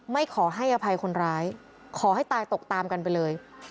ไม่ขอให้อภัยคนร้ายขอให้ตายตกตามกันไปเลย